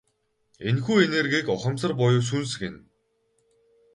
Энэхүү энергийг ухамсар буюу сүнс гэнэ.